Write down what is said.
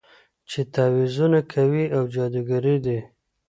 چې تعويذونه کوي او جادوګرې دي.